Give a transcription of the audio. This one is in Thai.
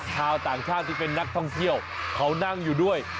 ชาวต่างชาติที่เป็นนักท่องเที่ยวเขานั่งอยู่ด้วย